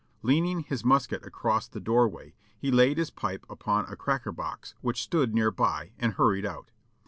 Leaning his musket across the doorway, he laid his pipe upon a cracker box which stood near by, and hurried out.